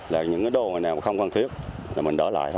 là những cái đồ mà nào không cần thiết là mình đỡ lại thôi